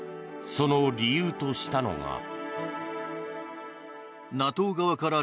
その理由としたのが。